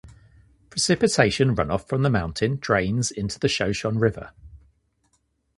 Precipitation runoff from the mountain drains into the Shoshone River.